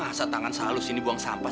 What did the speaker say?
itu pakaian mereka bade atas